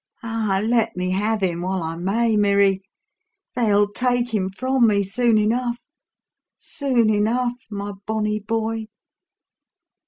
Ah, let me have him while I may, Mirry they'll take him from me soon enough soon enough, my bonnie boy!"